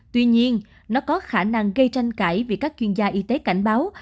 tuy nhiên nó có khả năng gây tranh cãi vì các chuyên gia y tế cảnh báo